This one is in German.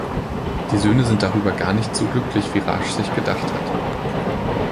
Die Söhne sind darüber gar nicht so glücklich, wie Raj sich gedacht hat.